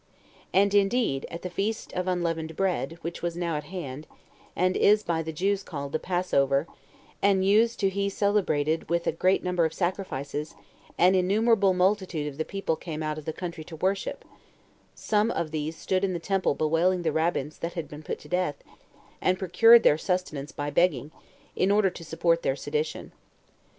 And indeed, at the feast of unleavened bread, which was now at hand, and is by the Jews called the Passover, and used to be celebrated with a great number of sacrifices, an innumerable multitude of the people came out of the country to worship; some of these stood in the temple bewailing the Rabbins [that had been put to death], and procured their sustenance by begging, in order to support their sedition.